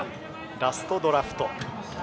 ラストドラフト。